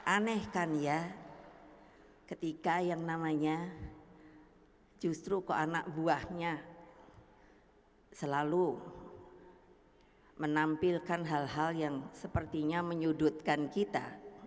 aneh kan ya ketika yang namanya justru kok anak buahnya selalu menampilkan hal hal yang sepertinya menyudutkan kita